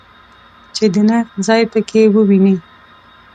چې د نقد ځای په کې وویني.